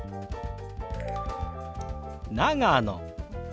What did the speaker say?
「長野」。